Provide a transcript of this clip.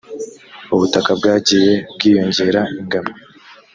ubutaka bwagiye bwiyongera ingano